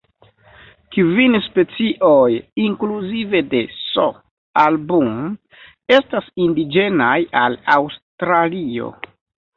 Kvin specioj, inkluzive de "S. album", estas indiĝenaj al Aŭstralio.